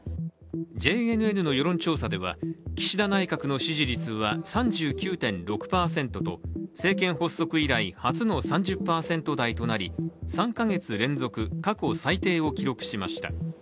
ＪＮＮの世論調査では、岸田内閣の支持率は３９．６％と政権発足以来、初の３０％台となり、３か月連続、過去最低を記録しました。